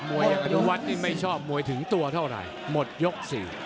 มวยอย่างอนุวัตรไม่ชอบมวยถึงตัวเท่าไหร่หมดยก๔